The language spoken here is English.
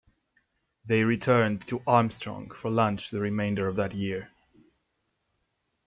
They returned to Armstrong for lunch the remainder of that year.